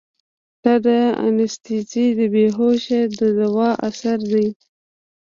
دا د انستيزي د بېهوشي د دوا اثر ديه.